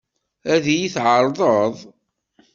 Ad iyi-tt-tɛeṛḍeḍ?